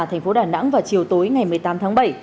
tp đà nẵng vào chiều tối ngày một mươi tám tháng bảy